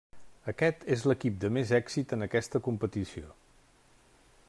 Aquest és l'equip de més èxit en aquesta competició.